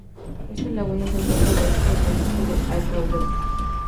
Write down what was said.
Esta laguna se encuentra al oeste del municipio de Alcaudete.